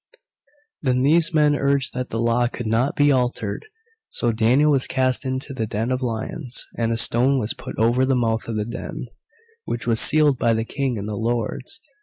Then these men urged that the law could not be altered. So Daniel was cast into the den of lions, and a stone was put over the mouth of the den, which was sealed by the King and the lords.